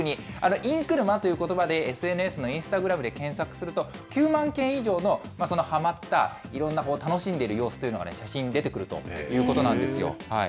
インク沼ということばで、ＳＮＳのインスタグラムで検索すると、９万件以上の、はまったいろんな楽しんでいる様子というのが写真、出てくるということなんですよ。